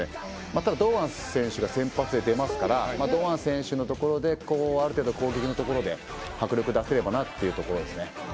ただ、堂安選手が先発で出ますから堂安選手のところである程度、攻撃のところで迫力を出せればなというところですね。